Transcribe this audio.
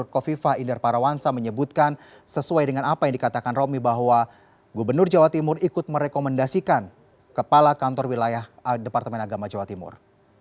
kofifa inder parawansa menyebutkan sesuai dengan apa yang dikatakan romi bahwa gubernur jawa timur ikut merekomendasikan kepala kantor wilayah departemen agama jawa timur